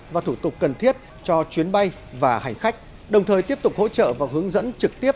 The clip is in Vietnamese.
và thủ tục cần thiết cho chuyến bay và hành khách đồng thời tiếp tục hỗ trợ và hướng dẫn trực tiếp